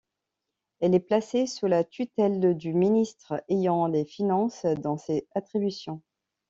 Elle est placée sous la tutelle du Ministre ayant les Finances dans ses attributions.